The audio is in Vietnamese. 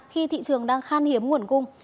khi thị trường đang khan hiếm nguồn cung